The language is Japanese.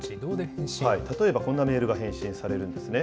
例えばこんなメールが返信されるんですね。